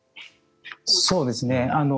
そうですね。